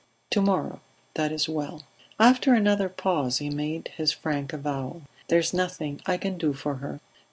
To morrow; that is well." After another pause he made his frank avowal. "There is nothing I can do for her.